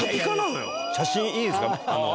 写真いいですか。